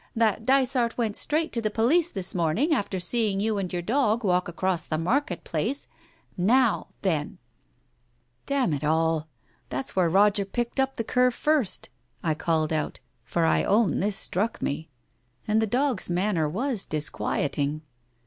That Dysart went straight to the police this morning after seeing you and your dog walk across the market place — now, then !" "Damn it all, that's where Roger picked up the cur first," I called out, for I own this struck me. And the dog's manner was disquieting.